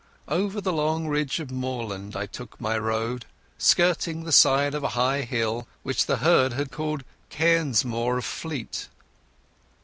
Over a long ridge of moorland I took my road, skirting the side of a high hill which the herd had called Cairnsmore of Fleet.